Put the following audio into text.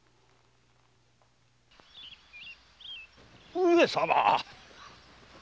上様！